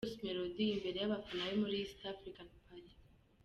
Bruce Melody imbere y'abafana be muri East African Party.